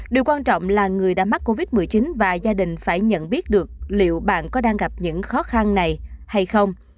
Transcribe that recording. điều quan trọng là người đã mắc covid một mươi chín và gia đình phải nhận biết được liệu bạn có đang gặp những khó khăn này hay không